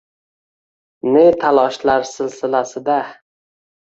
Ne taloshlar silsilasida